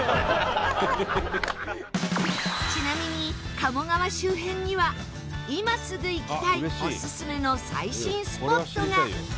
ちなみに鴨川周辺には今すぐ行きたいオススメの最新スポットが！